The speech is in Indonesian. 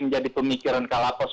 menjadi pemikiran kalapos